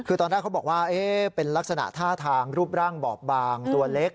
คือตอนแรกเขาบอกว่าเป็นลักษณะท่าทางรูปร่างบอบบางตัวเล็ก